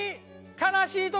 悲しい時。